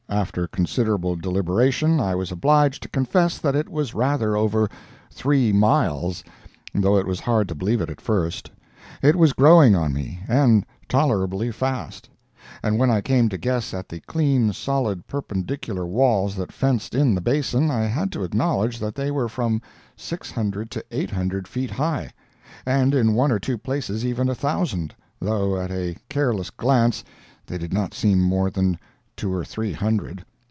After considerable deliberation I was obliged to confess that it was rather over three miles, though it was hard to believe it at first. It was growing on me, and tolerably fast. And when I came to guess at the clean, solid, perpendicular walls that fenced in the basin, I had to acknowledge that they were from 600 to 800 feet high, and in one or two places even a thousand, though at a careless glance they did not seem more than two or three hundred.